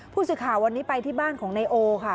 ผู้สื่อข่าววันนี้ไปที่บ้านของนายโอค่ะ